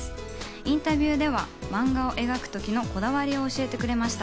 インタビューでは漫画を描くときのこだわりを教えてくれました。